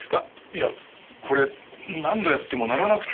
いやこれ何度やっても鳴らなくて。